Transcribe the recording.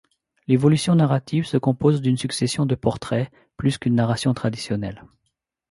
L'évolution narrative se compose d'une succession de portraits plus qu'une narration traditionnelle.